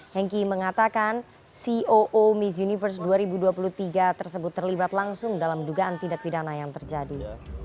hengki mengatakan ceo miss universe dua ribu dua puluh tiga tersebut terlibat langsung dalam dugaan tindak pidana yang terjadi